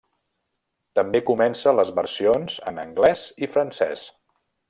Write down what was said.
També comença les versions en anglès i francès.